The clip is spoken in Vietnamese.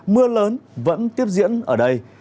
mưa lớn vẫn tiếp diễn ở đây